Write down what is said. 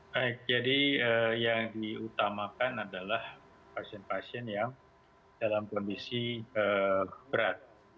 baik jadi yang diutamakan adalah pasien pasien yang dalam kondisi berat